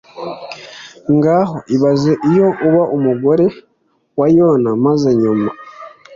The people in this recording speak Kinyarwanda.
Ngaho ibaze iyo uba umugore wa yona maze nyuma